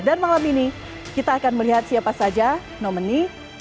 dan malam ini kita akan melihat siapa saja nomini